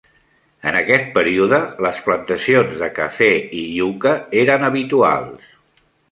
En aquest període, les plantacions de cafè i iuca eren habituals.